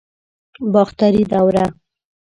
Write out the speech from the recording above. باختري دوره